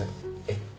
えっ？